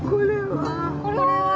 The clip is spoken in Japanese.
これは？